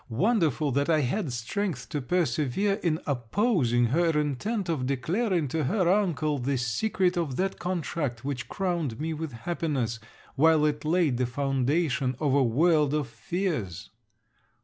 Wonderful that I had strength to persevere in opposing her intent of declaring to her uncle the secret of that contract which crowned me with happiness, while it laid the foundation of a world of fears.